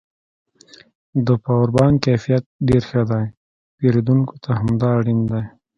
د پاور بانک کیفیت ډېر ښه دی پېرودونکو ته همدا اړین دی